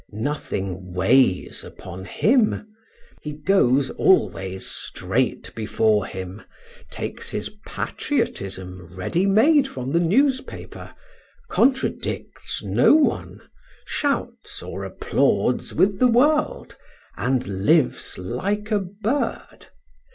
Nothing weighs upon him! He goes always straight before him, takes his patriotism ready made from the newspaper, contradicts no one, shouts or applauds with the world, and lives like a bird.